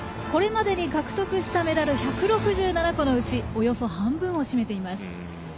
これまでに獲得したメダル１６７個のうちおよそ半分を占めています。